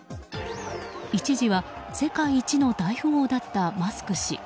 一時は世界一の大富豪だったマスク氏。